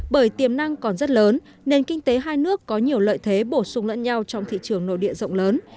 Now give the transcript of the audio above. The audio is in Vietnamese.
bởi tiềm năng còn rất lớn nền kinh tế hai nước có nhiều lợi thế bổ sung lẫn nhau trong thị trường nội địa rộng lớn